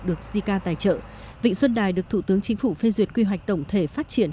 được jica tài trợ vịnh xuân đài được thủ tướng chính phủ phê duyệt quy hoạch tổng thể phát triển